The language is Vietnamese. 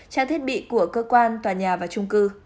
trang thiết bị của cơ quan tòa nhà và trung cư